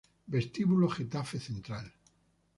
Vestíbulo Getafe Central